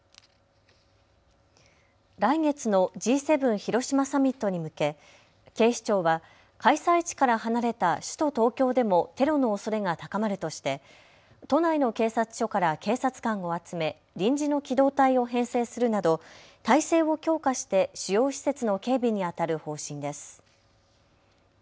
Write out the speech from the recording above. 来月のＧ７広島サミットに向け警視庁は開催地から離れた首都東京でもテロのおそれが高まるとして都内の警察署から警察官を集め臨時の機動隊を編制するなど態勢を強化して主要施設の警備にあたる方針です。